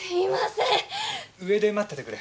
上で待っててくれ。